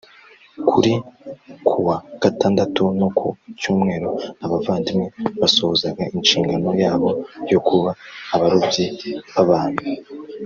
kuri Kuwa gatandatu no ku cyumweru abavandimwe basohozaga inshingano yabo yo kuba abarobyi b abantu